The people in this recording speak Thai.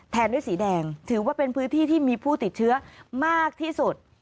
ด้วยสีแดงถือว่าเป็นพื้นที่ที่มีผู้ติดเชื้อมากที่สุด